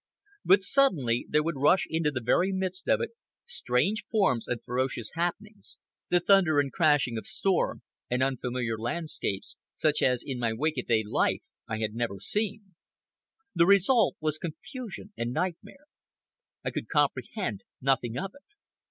But suddenly, there would rush into the very midst of it strange forms and ferocious happenings, the thunder and crashing of storm, or unfamiliar landscapes such as in my wake a day life I had never seen. The result was confusion and nightmare. I could comprehend nothing of it.